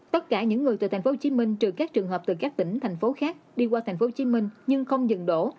tất cả những người từ tp hcm trừ các trường hợp từ các tỉnh thành phố khác đi qua tp hcm nhưng không dừng đổ